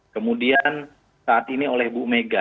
kemudian saat ini oleh bu mega